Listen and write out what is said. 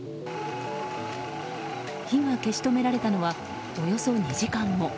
火が消し止められたのはおよそ２時間後。